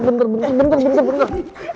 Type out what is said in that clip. bentar bentar bentar